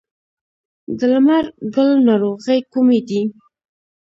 د لمر ګل ناروغۍ کومې دي؟